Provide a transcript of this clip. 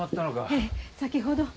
ええ先ほど。